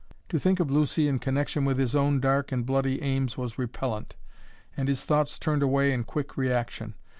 To think of Lucy in connection with his own dark and bloody aims was repellent, and his thoughts turned away in quick reaction.